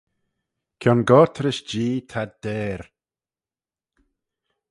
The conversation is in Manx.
Kiongoyrt rish Jee t 'ad deyr.